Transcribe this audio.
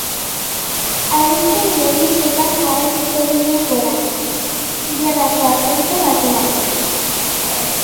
Haritzen gerizetan jarraituko dugu gorantz, gerrako aterpe bateraino.